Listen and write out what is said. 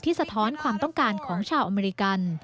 สะท้อนความต้องการของชาวอเมริกัน